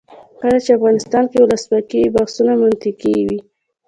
کله چې افغانستان کې ولسواکي وي بحثونه منطقي وي.